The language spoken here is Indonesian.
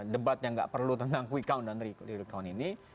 debat yang tidak perlu tentang quick count dan recount ini